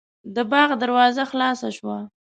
د باغ دروازه خلاصه شوه.